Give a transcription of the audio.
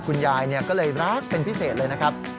คุณยายก็เลยรักเป็นพิเศษเลยนะครับ